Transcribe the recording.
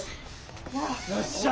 よっしゃ！